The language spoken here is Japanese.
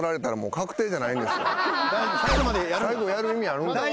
最後やる意味ある？